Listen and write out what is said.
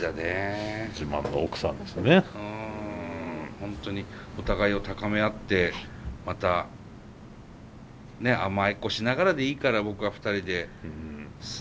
本当にお互いを高め合ってまた甘えっこしながらでいいから僕は２人で進んでほしいなといずれ。